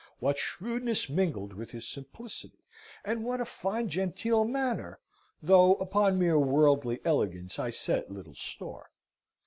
What shrewdness mingled with his simplicity, and what a fine genteel manner, though upon mere worldly elegance I set little store.